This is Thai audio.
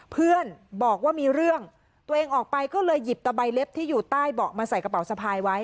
เพื่อนบอกว่ามีเรื่องตัวเองออกไปก็เลยหยิบตะใบเล็บที่อยู่ใต้เบาะมาใส่กระเป๋าสะพายไว้